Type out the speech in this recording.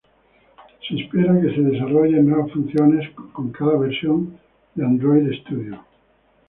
Se espera que se desarrollen nuevas funciones con cada versión de Android Studio.